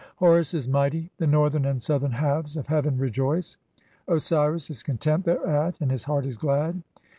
Horus is mighty, the northern and "southern halves of heaven rejoice, (9) Osiris is content thereat "and his heart is glad.